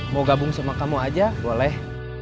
mau gabung sama kamu aja boleh